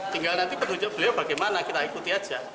tinggal nanti petunjuk beliau bagaimana kita ikuti aja